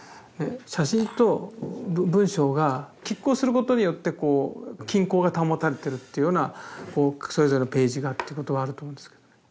写真と文章が拮抗することによってこう均衡が保たれてるっていうようなそれぞれのページがっていうことはあると思うんですけど。